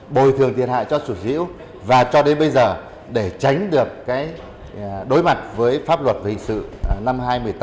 bồi thường thiệt hại cho chủ sĩ hữu và cho đến bây giờ để tránh được đối mặt với pháp luật hình sự năm hai nghìn một mươi tám